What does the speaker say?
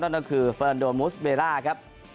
นั่นก็คือเฟิร์นโดมุสเบร่าครับ